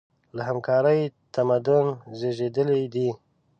له همکارۍ تمدن زېږېدلی دی.